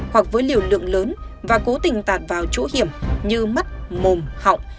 hoặc với liều lượng lớn và cố tình tạt vào chỗ hiểm như mắt mùm họng